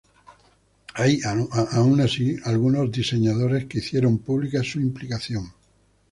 Hay, aun así, algunos diseñadores que hicieron pública su implicación.